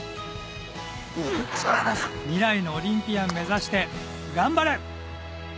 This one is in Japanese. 未来のオリンピアン目指して頑張れ！